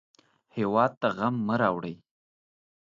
هېواد ته غم مه راوړئ